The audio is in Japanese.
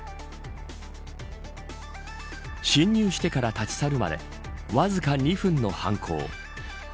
侵入してから立ち去るまでわずか２分の犯行。